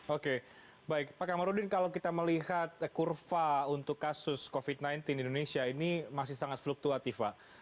oke baik pak kamarudin kalau kita melihat kurva untuk kasus covid sembilan belas di indonesia ini masih sangat fluktuatif pak